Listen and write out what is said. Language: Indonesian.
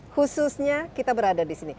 khususnya kita berada di sini